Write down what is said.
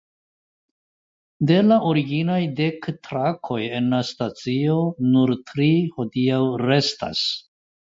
De la originaj dek trakoj en la stacio nur tri hodiaŭ restas.